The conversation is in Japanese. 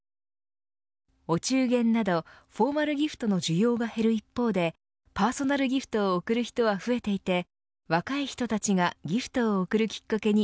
お中元などフォーマルギフトの需要が減る一方でパーソナルギフトを贈る人は増えていて若い人たちがギフトを贈るきっかけに